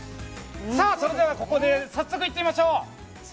それではここで早速いってみましょう。